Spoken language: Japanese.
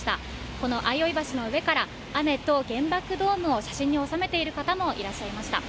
この相生橋の上から雨と原爆ドームを写真に収めている方もいらっしゃいました。